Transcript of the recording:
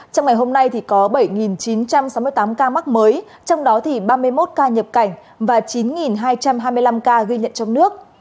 trong ngày hôm nay có bảy chín trăm sáu mươi tám ca mắc mới trong đó ba mươi một ca nhập cảnh và chín hai trăm hai mươi năm ca ghi nhận trong nước